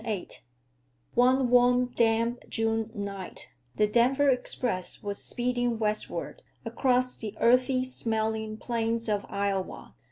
VIII One warm damp June night the Denver Express was speeding westward across the earthy smelling plains of Iowa.